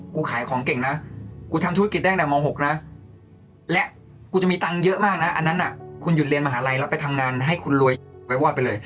ขายของเก่งนะกูทำธุรกิจได้ตั้งแต่ม๖นะและกูจะมีตังค์เยอะมากนะอันนั้นคุณหยุดเรียนมหาลัยแล้วไปทำงานให้คุณรวยไว้ว่าไปเลย